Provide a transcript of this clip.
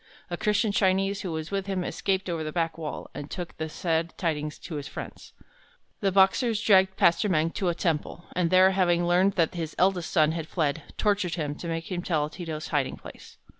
A Christian Chinese who was with him escaped over the back wall, and took the sad tidings to his friends. The Boxers dragged Pastor Meng to a temple, and there, having learned that his eldest son had fled, tortured him to make him tell Ti to's hiding place.